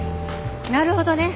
なるほどね。